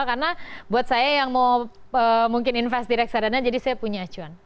karena buat saya yang mau mungkin investasi di reksadana jadi saya punya acuan